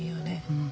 うん。